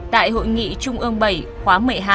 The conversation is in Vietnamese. tại hội nghị trung ương bảy khóa một mươi hai